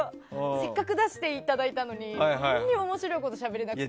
せっかく出していただいたのに何にも面白いことしゃべれなくて。